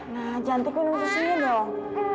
nah cantik minum susunya dong